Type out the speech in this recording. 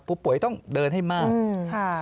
ผู้ป่วยต้องเดินให้มาก